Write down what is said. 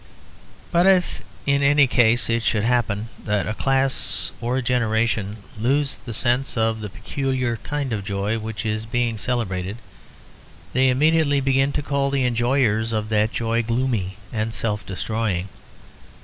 But if, in any case, it should happen that a class or a generation lose the sense of the peculiar kind of joy which is being celebrated, they immediately begin to call the enjoyers of that joy gloomy and self destroying.